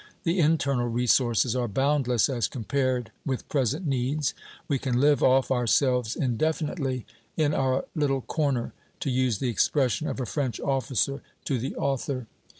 The internal resources are boundless as compared with present needs; we can live off ourselves indefinitely in "our little corner," to use the expression of a French officer to the author.